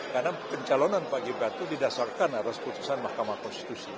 karena pencalonan pak gibran itu didasarkan atas putusan mahkamah konstitusi